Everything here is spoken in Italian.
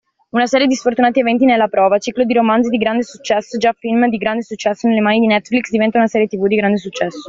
Una serie di sfortunati eventi ne è la prova: ciclo di romanzi di grande successo, già film di grande successo, nelle mani di Netflix diventa una serie tv di grande successo.